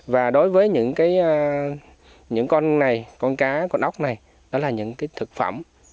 và đối với những con này con cá con ốc này đó là những cái thực phẩm